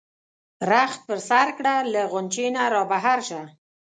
رخت په سر کړه له غُنچې نه را بهر شه.